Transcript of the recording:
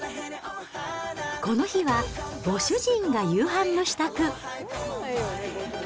この日は、ご主人が夕飯の支度。